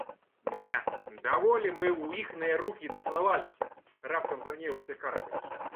Не, даволі мы ў іхныя рукі нацалаваліся, — раптам загневаўся Карпавіч.